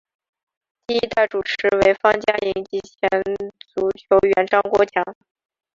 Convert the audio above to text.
第一代主持为方嘉莹及前足球员张国强。